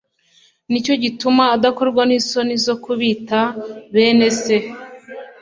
ni cyo gituma adakorwa n’isoni zo kubita bene Se